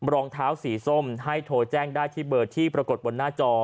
รองเท้าสีส้มให้โทรแจ้งได้ที่เบอร์ที่ปรากฏบนหน้าจอ